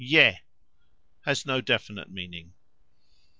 je (has no definite meaning).